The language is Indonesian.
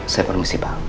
saya permisi pak